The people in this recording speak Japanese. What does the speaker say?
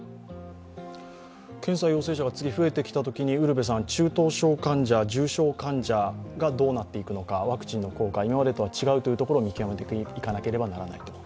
検査陽性者が増えてきたときに中等症患者、重症患者がどうなっていくのかワクチンの効果、今までとは違うというところを見極めていかなければならないと。